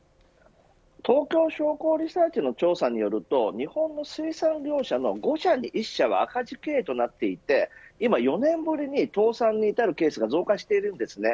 東京商工リサーチの調査によると日本の水産業者の５社に１社は赤字経営となっていて今４年ぶりに倒産に至るケースが増加しているんですね。